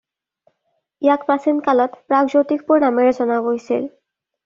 ইয়াক প্ৰাচীন কালত "প্ৰাগজ্যোতিষপুৰ" নামেৰে জনা গৈছিল।